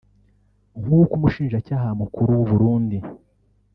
nk’uko umushinjacyaha mukuru w’u Burundi